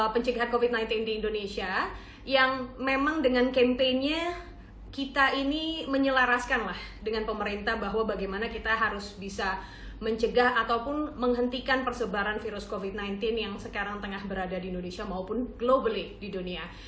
pencegahan covid sembilan belas di indonesia yang memang dengan campaign nya kita ini menyelaraskanlah dengan pemerintah bahwa bagaimana kita harus bisa mencegah ataupun menghentikan persebaran virus covid sembilan belas yang sekarang tengah berada di indonesia maupun globally di dunia